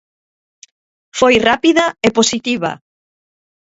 Foi rápida e positiva.